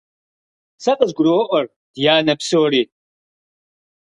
Сэ къызгуроӀуэр, дянэ, псори.